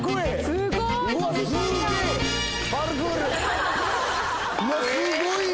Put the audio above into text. すごーい